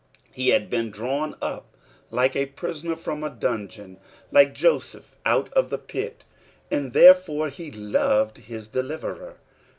He had been drawn up like ei prieoucr from a dungeon, Hko Joseph out of tfae pit, aod therefore he loved his deliverer.